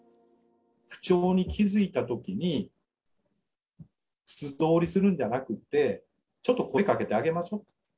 不調に気付いたときに、素通りするんじゃなくて、ちょっと声かけてあげましょ。